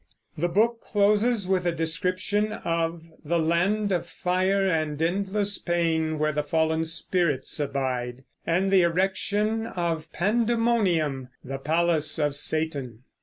The book closes with a description of the land of fire and endless pain where the fallen spirits abide, and the erection of Pandemonium, the palace of Satan.